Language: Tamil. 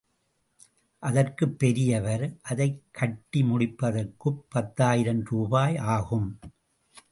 அதற்குப் பெரியவர், அதைக் கட்டி முடிப்பதற்குப் பத்தாயிரம் ரூபாய் ஆகும்.